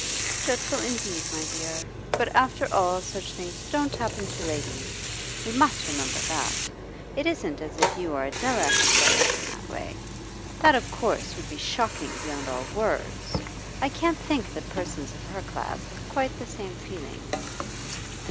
'Dreadful, indeed, my dear; but after all such things don't happen to ladies. We must remember that. It isn't as if you or Adela had suffered in that way. That, of course, would be shocking beyond all words. I can't think that persons of her class have quite the same feelings.